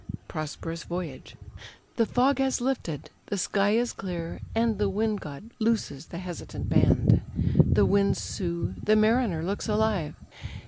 "PROSPEROUS VOYAGE" "The fog has lifted, the sky is clear, and the Wind god looses the hesitant band. The winds sough, the mariner looks alive.